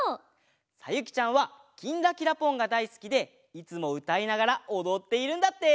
さゆきちゃんは「きんらきらぽん」がだいすきでいつもうたいながらおどっているんだって！